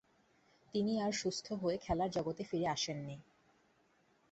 তিনি আর সুস্থ হয়ে খেলার জগতে ফিরে আসেননি।